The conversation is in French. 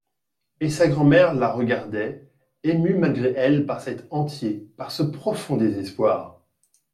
Et sa grand'mère la regardait, émue malgré elle par cet entier, par ce profond désespoir.